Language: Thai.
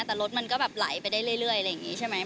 แต่รถมันก็แบบไหลไปได้เรื่อยใช่ไหม